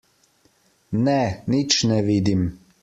Ne, nič ne vidim.